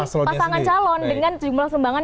pasangan calon dengan jumlah sumbangan